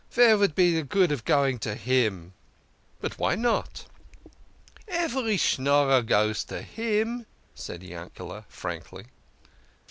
Vere vould be de good of going to him ?"" But why not? "" Every Schnorrer goes to him," said Yankel frankly.